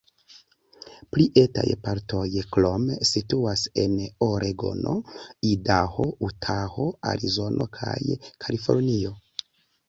Pli etaj partoj krome situas en Oregono, Idaho, Utaho, Arizono kaj Kalifornio.